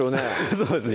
そうですね